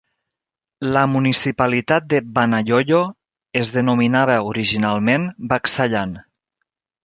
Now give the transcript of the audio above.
La municipalitat de Banayoyo es denominava originalment "Bacsayan".